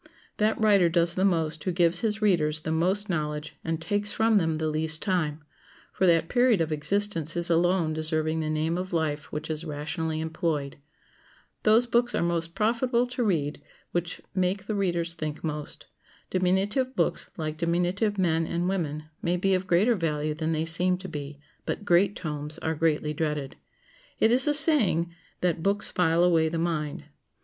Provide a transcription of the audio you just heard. That writer does the most who gives his readers the most knowledge and takes from them the least time, for that period of existence is alone deserving the name of life which is rationally employed. Those books are most profitable to read which make the readers think most. Diminutive books, like diminutive men and women, may be of greater value than they seem to be; but great tomes are greatly dreaded. It is a saying that "books file away the mind."